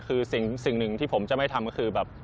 คือสิ่งหนึ่งที่ผมจะไม่ทำก็คือแบบ